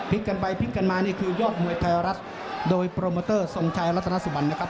กันไปพลิกกันมานี่คือยอดมวยไทยรัฐโดยโปรโมเตอร์ทรงชัยรัฐนาสุบันนะครับ